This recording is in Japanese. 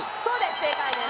正解です。